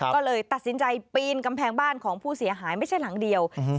ก็เลยตัดสินใจปีนกำแพงบ้านของผู้เสียหายไม่ใช่หลังเดียว